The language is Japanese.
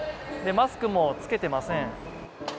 マスクも着けていません。